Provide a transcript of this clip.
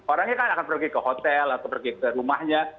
orangnya kan akan pergi ke hotel atau pergi ke rumahnya